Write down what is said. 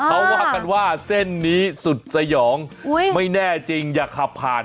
เขาว่ากันว่าเส้นนี้สุดสยองไม่แน่จริงอย่าขับผ่าน